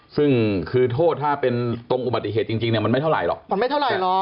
ซึ่งคือโทษถ้าเป็นตรงอุบัติเหตุจริงมันไม่เท่าไหร่หรอก